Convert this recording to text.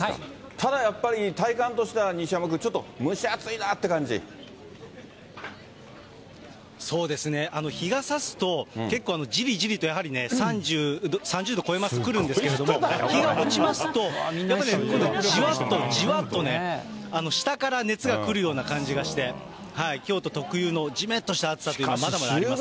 ただやっぱり体感としては西山君、そうですね、日が差すと、結構じりじりとやはりね、３０度超えますとくるんですけれども、日が落ちますと、今度じわっとじわっとね、下から熱が来るような感じがして、京都特有のじめっとした暑さっていうのはまだまだありますね。